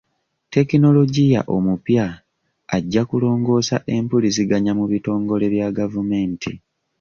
Tekinologiya omupya ajja kulongoosa empulizigannya mu bitongole bya gavumenti.